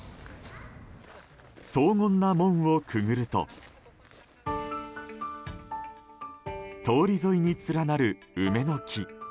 荘厳な門をくぐると通り沿いに連なる梅の木。